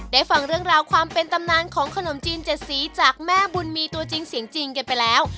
ฟังเรื่องราวความเป็นตำนานของขนมจีนเจ็ดสีจากแม่บุญมีตัวจริงเสียงจริงกันไปแล้ว